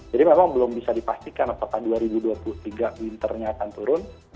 jadi memang belum bisa dipastikan apakah dua ribu dua puluh tiga winter nya akan turun